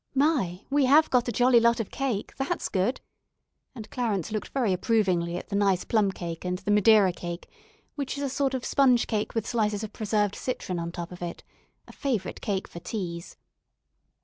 "My! we have got a jolly lot of cake; that's good," and Clarence looked very approvingly at the nice plum cake and the Madeira cake, which is a sort of sponge cake with slices of preserved citron on top of it, a favourite cake for teas.